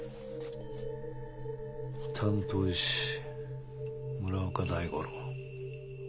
担当医師村岡大吾郎。